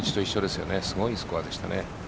すごいスコアでした。